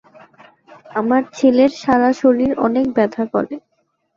আমার ছেলের সারা শরীর অনেক ব্যথা করে।